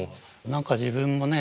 何か自分もね